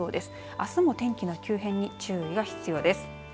あすも天気の急変に注意が必要です。